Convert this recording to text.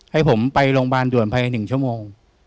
ให้ผมไปโรงพยาบาลด่วนภายใน๑ชั่วโมง